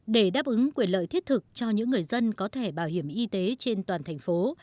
để đáp ứng quyền lợi thiết thực cho những người dân có thể bảo hiểm y tế trên toàn thành phố